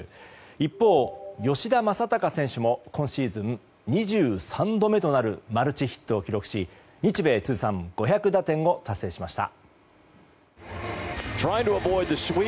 一方、吉田正尚選手も今シーズン２３度目となるマルチヒットを記録し日米通算５００打点を達成しました。